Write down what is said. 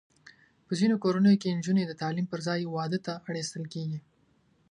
په ځینو کورنیو کې نجونې د تعلیم پر ځای واده ته اړ ایستل کېږي.